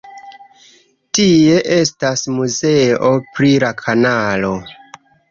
Tie estas muzeo pri la kanalo.